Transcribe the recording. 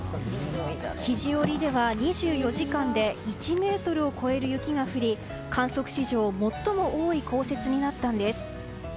肘折では２４時間で１ｍを超える雪が降り観測史上最も多い降雪になったんです。